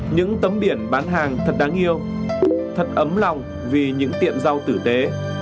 những tấm biển bán hàng thật đáng yêu thật ấm lòng vì những tiện rau tử tế